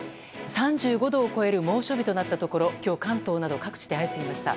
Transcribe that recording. ３５度を超える猛暑日となったところ今日、関東など各地で相次ぎました。